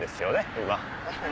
今。